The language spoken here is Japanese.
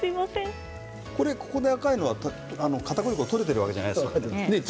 赤いのはかたくり粉が取れているわけではないんです。